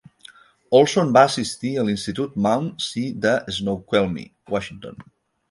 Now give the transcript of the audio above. Olson va assistir a l'institut Mount Si de Snoqualmie, Washington.